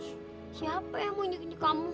siapa yang mau injuk injuk kamu